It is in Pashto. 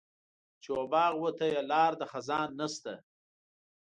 چې و باغ وته یې لار د خزان نشته.